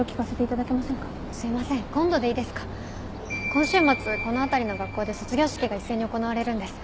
今週末この辺りの学校で卒業式が一斉に行われるんです。